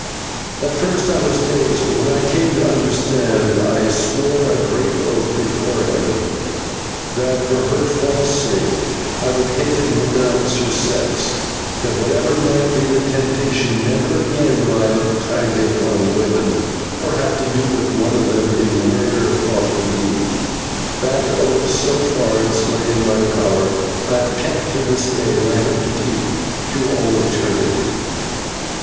At first I was dazed, but when I came to understand I swore a great oath before Heaven that, for her false sake, I would hate and renounce her sex; that, whatever might be the temptation, never again would I look kindly upon women, or have to do with one of them in word, or thought, or deed. That oath, so far as lay in my power, I have kept to this day, and I hope to keep through all eternity.